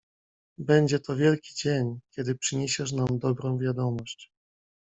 "Będzie to wielki dzień, kiedy przyniesiesz nam dobrą wiadomość."